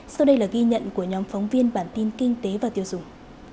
sau đây là ghi nhận của nhóm phóng viên bản tin kinh tế và tiêu dùng